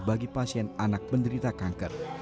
bagi pasien anak penderita kanker